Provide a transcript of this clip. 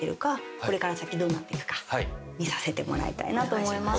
これから先どうなっていくか見させてもらいたいなと思います。